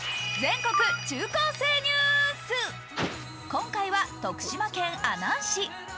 今回は徳島県阿南市。